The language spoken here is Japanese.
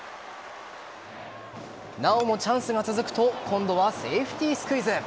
なおもチャンスが続くと今度はセーフティースクイズ。